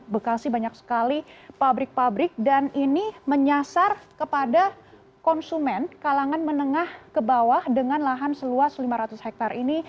bekasi banyak sekali pabrik pabrik dan ini menyasar kepada konsumen kalangan menengah ke bawah dengan lahan seluas lima ratus hektare ini